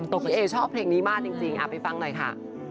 ตกลงเอชอบเพลงนี้มากจริงไปฟังหน่อยค่ะ